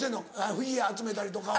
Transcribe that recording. フィギュア集めたりとかは。